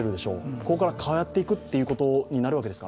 ここから変わっていくということになるわけですか？